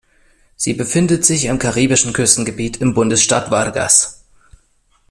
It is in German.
Sie befindet sich im karibischen Küstengebiet im Bundesstaat Vargas.